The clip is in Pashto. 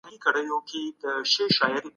علمي پلټنه پرته له کره اسنادو نه ترسره کیږي.